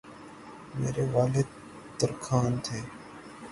میرے والد ترکھان تھے